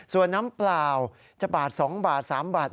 ส่วนน้ำเปล่าจะบาท๒บาท๓บาท